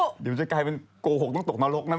เดี๋ยวจะกลายเป็นโกหกต้องตกนรกนะ